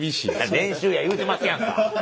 練習や言うてますやんか。